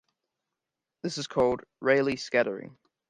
This is called Rayleigh scattering.